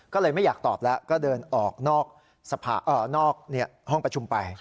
ก็เลยไม่อยากตอบแล้วก็เดินออกนอกห้องประชุมไป